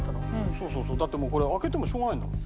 そうそうそうだってもうこれ開けてもしょうがないんだもん。